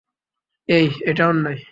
এই, এটা অন্যায়।